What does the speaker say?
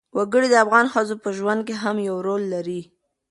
وګړي د افغان ښځو په ژوند کې هم یو رول لري.